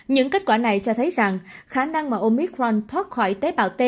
những kết quả này cho thấy rằng khả năng mà omicront thoát khỏi tế bào t